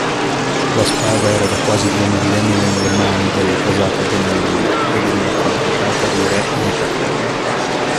La spada era da quasi due millenni nelle mani della casata Della Luna e veniva tramandata di re in re.